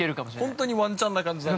◆本当にワンチャンな感じだね。